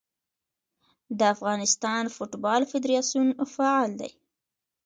د افغانستان فوټبال فدراسیون فعال دی.